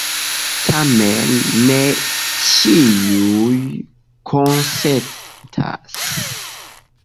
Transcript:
Tamen ne ĉiuj konsentas.